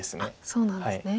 そうなんですね。